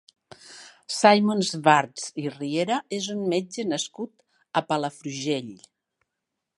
Simon Schwartz i Riera és un metge nascut a Palafrugell.